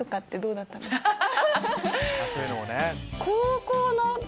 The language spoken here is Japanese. そういうのもね！